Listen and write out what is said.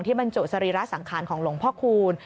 บรรจุสรีระสังขารของหลวงพ่อคูณ